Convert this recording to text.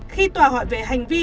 khi tòa hỏi về hành vi buôn bán